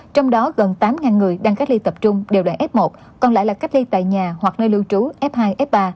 trong đó gần tám người đang cách ly tập trung đều là f một còn lại là cách ly tại nhà hoặc nơi lưu trú f hai f ba